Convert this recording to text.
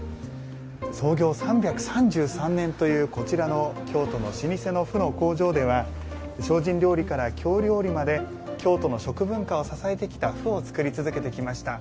創業３３３年というこちらの京都の老舗の麩の工場では精進料理から京料理まで京都の食文化を支えてきた麩を作り続けてきました。